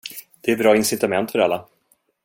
Det är bra incitament för alla!